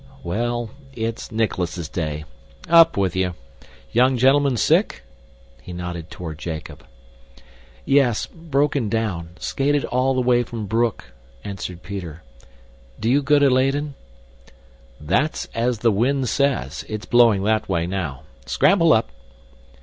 "Well, it's Nicholas's Day up with you! Young gentleman sick?" He nodded toward Jacob. "Yes broken down. Skated all the way from Broek," answered Peter. "Do you go to Leyden?" "That's as the wind says. It's blowing that way now. Scramble up!"